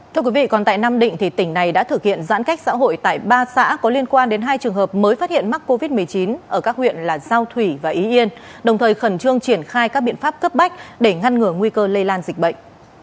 thưa quý vị còn tại nam định tỉnh này đã thực hiện giãn cách xã hội tại ba xã có liên quan đến hai trường hợp mới phát hiện mắc covid một mươi chín ở các huyện là giao thủy và ý yên đồng thời khẩn trương triển khai các biện pháp cấp bách để ngăn ngừa nguy cơ lây lan dịch bệnh